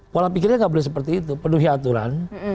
pola pikirnya nggak boleh seperti itu penuhi aturan